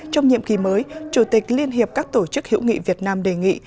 trong nhiệm kỳ mới chủ tịch liên hiệp các tổ chức hữu nghị việt nam đề nghị